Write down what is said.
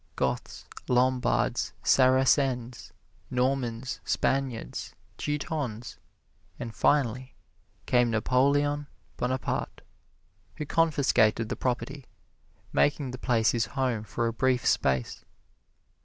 Goths, Lombards, Saracens, Normans, Spaniards, Teutons, and finally came Napoleon Bonaparte, who confiscated the property, making the place his home for a brief space.